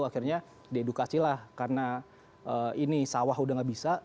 akhirnya diedukasilah karena ini sawah udah gak bisa